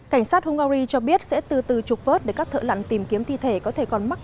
cảnh sát hungary cho biết sẽ từ từ trục vớt để các thợ lặn tìm kiếm thi thể có thể còn mắc